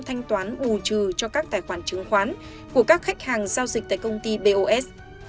thanh toán bù trừ cho các tài khoản chứng khoán của các khách hàng giao dịch tại công ty bos